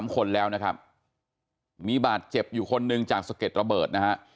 ๓คนแล้วนะครับมีบาดเจ็บอยู่คนหนึ่งจากสะเก็ดระเบิดนะฮะ